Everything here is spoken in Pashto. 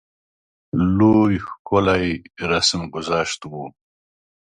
لوی ښکلی رسم ګذشت وو.